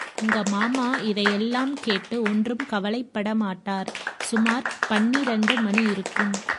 உங்க மாமா இதையெல்லாம் கேட்டு ஒன்றும் கவலைப்பட மாட்டார்! சுமார் பன்னிரண்டு மணி இருக்கும்.